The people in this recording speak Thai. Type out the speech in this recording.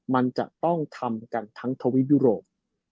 มันจะต้องทำกันทั้งทวิปยุโรป